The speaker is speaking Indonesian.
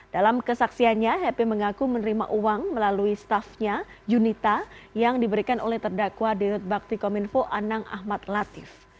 dalam kesaksiannya happy mengaku menerima uang melalui staffnya yunita yang diberikan oleh terdakwa di bakti kominfo anang ahmad latif